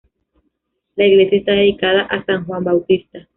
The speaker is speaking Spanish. La iglesia está dedicada a san Juan Bautista.